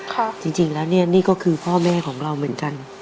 จริงจริงแล้วเนี่ยนี่ก็คือพ่อแม่ของเราเหมือนกัน